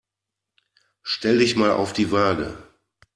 Stell dich mal auf die Waage.